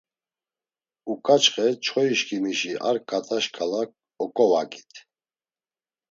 Uǩaçxe çoyişǩimişi ar ǩat̆a şǩala oǩovagit.